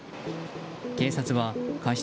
警察は過失